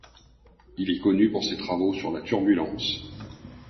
Il est connu pour ses travaux sur la turbulence.